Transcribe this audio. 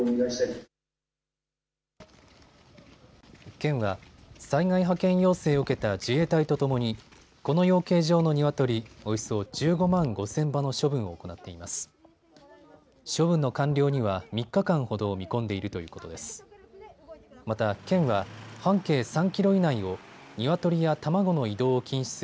県は災害派遣要請を受けた自衛隊とともにこの養鶏場のニワトリおよそ１５万５０００羽の処分を行っています。